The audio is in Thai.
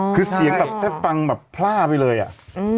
คือเสียงแบบแทบฟังแบบพล่าไปเลยอ่ะ